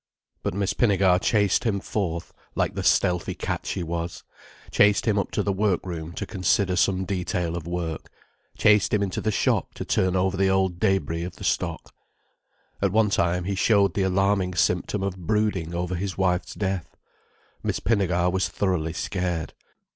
But Miss Pinnegar chased him forth, like the stealthy cat she was, chased him up to the work room to consider some detail of work, chased him into the shop to turn over the old débris of the stock. At one time he showed the alarming symptom of brooding over his wife's death. Miss Pinnegar was thoroughly scared.